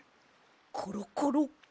コロコロ。